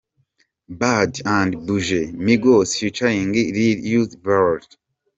"Bad And Boujee" - Migos Featuring Lil Uzi Vert.